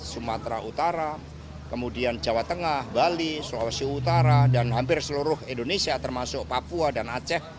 sumatera utara kemudian jawa tengah bali sulawesi utara dan hampir seluruh indonesia termasuk papua dan aceh